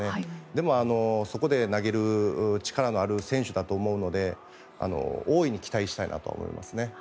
でも、そこで投げる力のある選手だと思うので大いに期待したいなと思います。